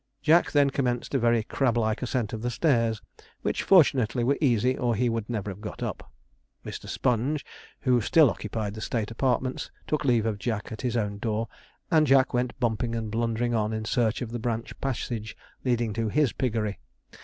Jack then commenced a very crab like ascent of the stairs, which fortunately were easy, or he would never have got up. Mr. Sponge, who still occupied the state apartments, took leave of Jack at his own door, and Jack went bumping and blundering on in search of the branch passage leading to his piggery.